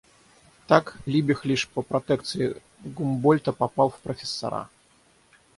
Так, Либих лишь по протекции Гумбольдта попал в профессора.